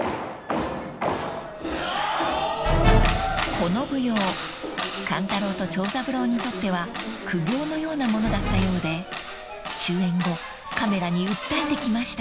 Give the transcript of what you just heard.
［この舞踊勘太郎と長三郎にとっては苦行のようなものだったようで終演後カメラに訴えてきました］